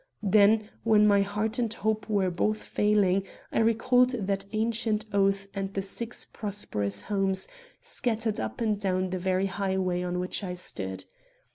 Then when heart and hope were both failing, I recalled that ancient oath and the six prosperous homes scattered up and down the very highway on which I stood.